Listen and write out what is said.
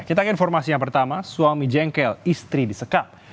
kita ke informasi yang pertama suami jengkel istri disekap